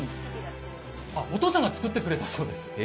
お父さんが作ってくれたそうです。